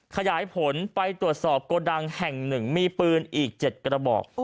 ขยายผลไปตรวจสอบโกดังแห่ง๑มีปืนอีก๗กระบอก